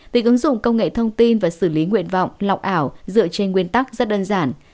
tính ứng dụng công nghệ thông tin và xử lý nguyện vọng lọc ảo dựa trên nguyên tắc rất đơn giản